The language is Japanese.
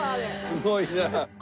すごいな。